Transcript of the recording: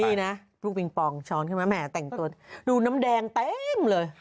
นี่นะลูกปิงปองช้อนใช่ไหมแหมแต่งตัวดูน้ำแดงเต็มเลย